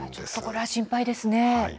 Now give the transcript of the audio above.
これは心配ですね。